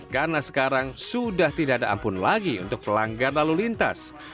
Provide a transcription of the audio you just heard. karena sekarang sudah tidak ada ampun lagi untuk pelanggar lalu lintas